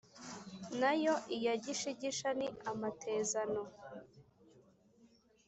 na yo iya gishigisha ni amatezano.